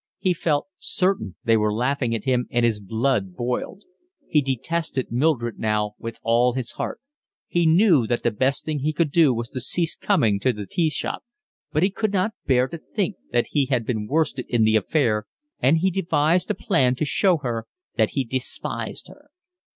He felt certain they were laughing at him, and his blood boiled. He detested Mildred now with all his heart. He knew that the best thing he could do was to cease coming to the tea shop, but he could not bear to think that he had been worsted in the affair, and he devised a plan to show her that he despised her.